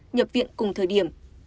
nhập viện cùng thời điểm